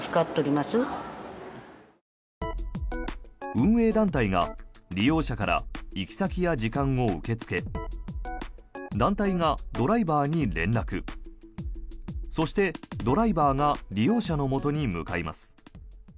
運営団体が利用者から行き先や時間を受け付け団体がドライバーに連絡そして、ドライバーが利用者のもとに向かいます。